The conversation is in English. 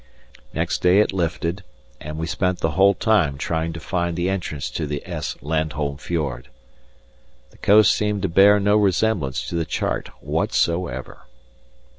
Next day it lifted, and we spent the whole time trying to find the entrance to the S. Landholm Fjord. The coast appeared to bear no resemblance to the chart whatsoever.